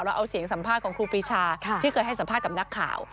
เราเอาเสียงสัมภาษณ์ของครูปีชาที่เคยให้สัมภาษณ์กับนักข่าว